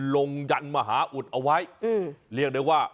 ยันมหาอุดเอาไว้เรียกได้ว่า